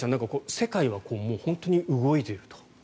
世界は本当に動いていると。